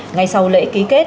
ngay sau lễ ký kết